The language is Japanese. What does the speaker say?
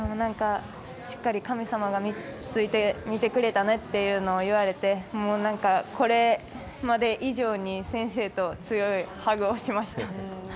しっかり神様がついて見てくれたねって言われてこれまで以上に先生と強いハグをしました。